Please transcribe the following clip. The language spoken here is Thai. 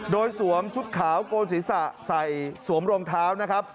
โดยสวมชุดขาวโกนศีรษะใส่สวมรองเท้านะครับ